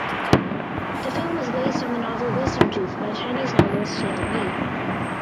The film is based on the novel "Wisdom Tooth" by Chinese novelist Lei Mi.